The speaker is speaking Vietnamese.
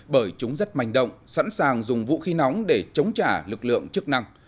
bởi chúng rất manh động sẵn sàng dùng vũ khí nóng để chống trả lực lượng chức năng